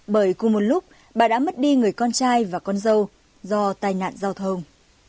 bởi cùng một lúc bà đã mất đi người con trai và con dâu do tai nạn giao thông